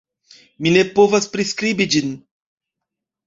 Mi ne povas priskribi ĝin.